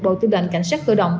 bộ tư lệnh cảnh sát cơ động